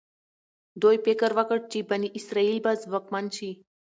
دوی فکر وکړ چې بني اسرایل به ځواکمن شي.